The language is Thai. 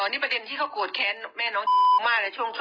อ๋อนี่ประเด็นที่เขากลัวแคร์แม่น้องมโคมากเลยช่วงแรกอะ